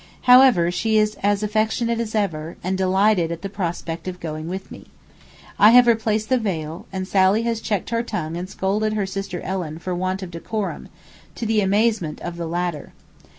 However, she is as affectionate as ever, and delighted at the prospect of going with me. I have replaced the veil, and Sally has checked her tongue and scolded her sister Ellen for want of decorum, to the amazement of the latter.